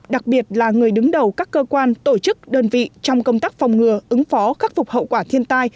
đặc biệt là người đứng đầu các cơ quan tổ chức đơn vị trong công tác phòng ngừa ứng phó khắc phục hậu quả thiên tai